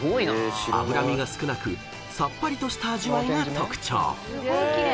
［脂身が少なくさっぱりとした味わいが特徴］